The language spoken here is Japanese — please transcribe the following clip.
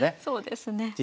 そうですね。